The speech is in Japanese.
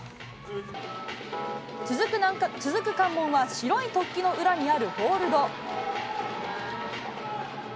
続く関門は白い突起の裏にあるホールド。